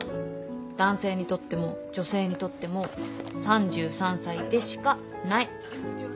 男性にとっても女性にとっても３３歳でしかない。